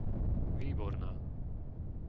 Výborná